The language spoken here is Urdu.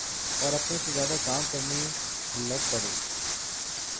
اوراپنے سے زیادہ کام کرنے لگ پڑیں۔